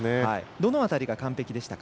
どの辺りが完璧でしたか？